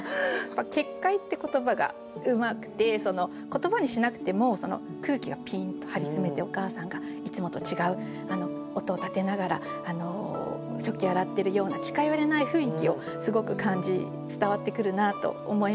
「結界」って言葉がうまくて言葉にしなくても空気がピーンと張り詰めてお母さんがいつもと違う音を立てながら食器を洗ってるような近寄れない雰囲気をすごく感じ伝わってくるなと思いました。